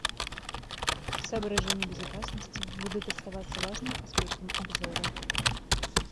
Соображения безопасности будут оставаться важным аспектом обзора.